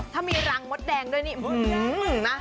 ถ้ามีรังม็ดแดงด้วยนี่อื้อหือนะ